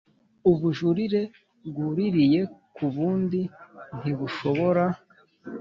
Ubujurire bwuririye ku bundi ntibushobora